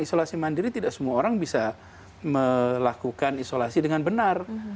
isolasi mandiri tidak semua orang bisa melakukan isolasi dengan benar